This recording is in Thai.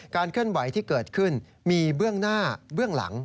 เคลื่อนไหวที่เกิดขึ้นมีเบื้องหน้าเบื้องหลัง